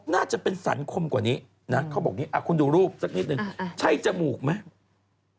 น่าจะเป็นสันคมกว่านี้นะเขาบอกอย่างนี้คุณดูรูปสักนิดนึงใช่จมูกไหม